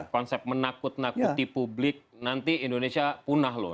konsep menakut nakuti publik nanti indonesia punah loh